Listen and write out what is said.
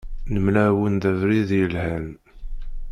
Nemla-awen-d abrid yelhan.